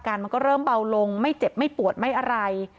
มันก็เริ่มเบาลงไม่เจ็บไม่ปวดไม่อะไร